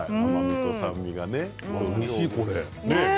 おいしい、これ。